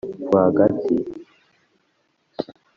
r wagati,